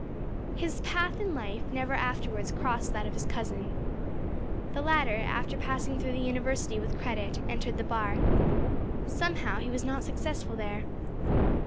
His path in life never afterwards crossed that of his cousin. The latter, after passing through the University with credit, entered the Bar. Somehow he was not successful there.